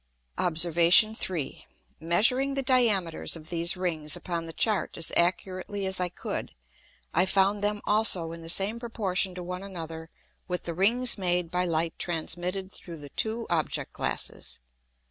Obs. 3. Measuring the Diameters of these Rings upon the Chart as accurately as I could, I found them also in the same proportion to one another with the Rings made by Light transmitted through the two Object glasses.